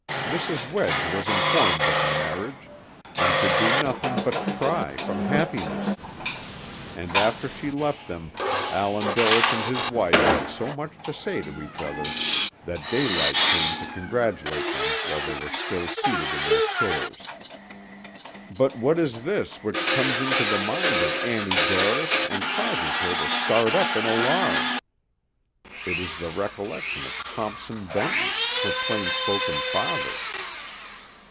Mrs. Wedge was informed of the marriage, and could do nothing but cry from happiness; and after she left them Allan Dorris and his wife had so much to say to each other that daylight came to congratulate them while they were still seated in their chairs. But what is this which comes into the mind of Annie Dorris and causes her to start up in alarm? It is the recollection of Thompson Benton, her plain spoken father.